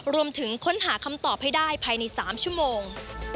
รวมถึงค้นหาคำตอบให้ได้ภายใน๓ชั่วโมง